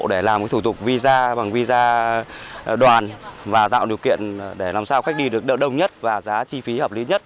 để làm thủ tục visa bằng visa đoàn và tạo điều kiện để làm sao khách đi được đỡ đông nhất và giá chi phí hợp lý nhất